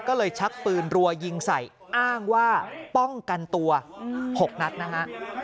ก็เลยชักปืนรัวยิงใส่อ้างว่าป้องกันตัว๖นัดนะฮะ